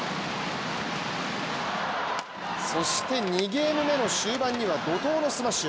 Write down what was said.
そして２ゲーム目の終盤には怒とうのスマッシュ。